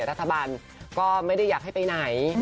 รัฐบาลก็ไม่ได้อยากให้ไปไหน